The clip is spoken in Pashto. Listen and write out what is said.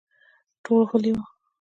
ټول غلي وو.